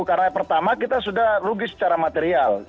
karena pertama kita sudah rugi secara material